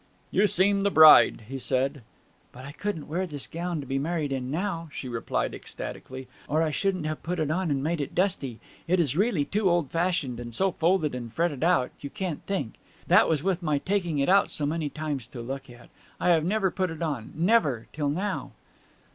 'You seem the bride!' he said. 'But I couldn't wear this gown to be married in now!' she replied, ecstatically, 'or I shouldn't have put it on and made it dusty. It is really too old fashioned, and so folded and fretted out, you can't think. That was with my taking it out so many times to look at. I have never put it on never till now!'